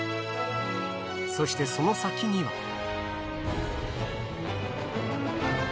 そしてその先には。